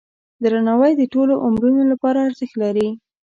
درناوی د ټولو عمرونو لپاره ارزښت لري.